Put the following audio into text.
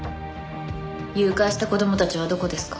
誘拐した子供たちはどこですか？